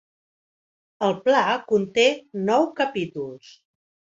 El Pla conté nou capítols.